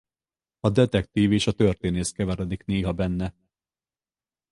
A detektív és a történész keveredik néha benne.